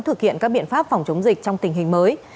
thực hiện các biện pháp phòng chống dịch trong tình hình mới